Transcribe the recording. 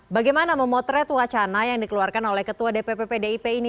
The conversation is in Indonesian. bagaimana memotret wacana yang dikeluarkan oleh ketua dpp pdip ini